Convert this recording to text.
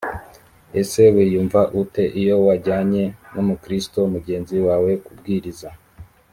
ese wiyumva ute iyo wajyanye n umukristo mugenzi wawe kubwiriza